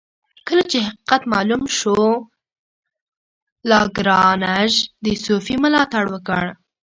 کله چې حقیقت معلوم شو لاګرانژ د صوفي ملاتړ وکړ.